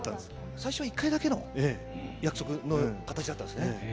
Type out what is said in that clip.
最初は１回だけの約束の形だったんですね。